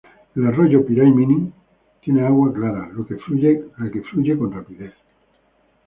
El arroyo Piray-Miní tiene agua clara, la que fluye con rapidez.